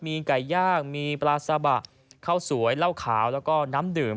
มีไก่ย่างมีปลาซาบะข้าวสวยเหล้าขาวแล้วก็น้ำดื่ม